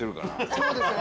そうですよね。